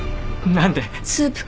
何で？